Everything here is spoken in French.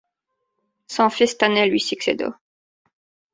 Son fils Tannet lui succéda.